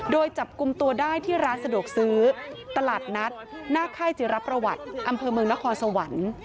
โดยจับกลุ่มตัวได้ที่ร้านสะดวกซื้อตลาดนัดหน้าค่ายจิรประวัติอำเภอเมืองนครสวรรค์